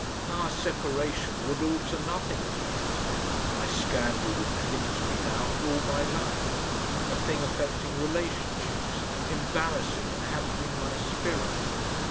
Our separation would alter nothing of that. My scandal would cling to me now for all my life, a thing affecting relationships, embarrassing and hampering my spirit.